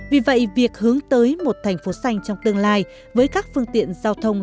vì vậy việc hướng tới một thành phố xanh trong tương lai với các phương tiện giao thông